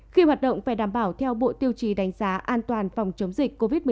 khi hoạt động phải đảm bảo theo bộ tiêu chí đánh giá an toàn phòng chống dịch covid một mươi chín